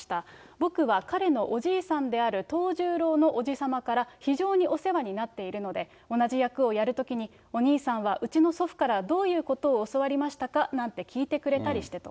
僕は彼のおじいさんである藤十郎のおじ様から、非常にお世話になっているので、同じ役をやるときに、お兄さんはうちの祖父からどういうことを教わりましたか？なんて聞いてくれたりしてと。